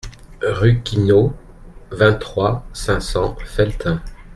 Rue Quinault, vingt-trois, cinq cents Felletin